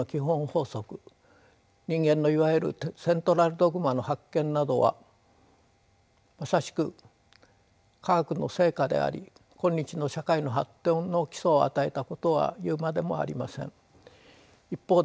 法則人間のいわゆるセントラルドグマの発見などはまさしく科学の成果であり今日の社会の発展の基礎を与えたことは言うまでもありません。